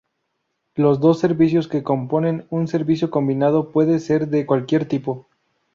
Los dos servicios que componen un servicio combinado puede ser de cualquier tipo.